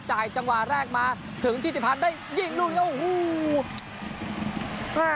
จ่ายจังหว่าแรกมาถึงทิศิพันธ์ได้ยิงลุยโอ้โห